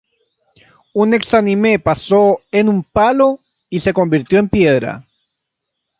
Un Exánime paso en un palo y se convirtió en piedra.